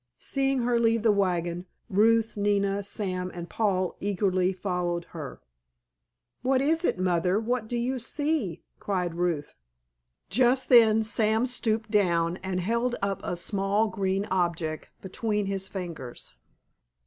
Seeing her leave the wagon, Ruth, Nina, Sam and Paul eagerly followed her. "What is it, Mother? What do you see?" cried Ruth. Just then Sam stooped down and held up a small green object between his fingers.